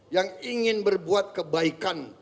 yang ingin berbuat kebaikan